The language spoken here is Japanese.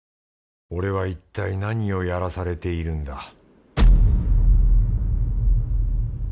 俺はいったい何をやらされているんだ？